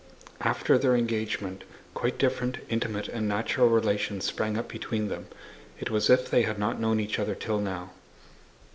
After their engagement, quite different, intimate, and natural relations sprang up between them. It was as if they had not known each other till now.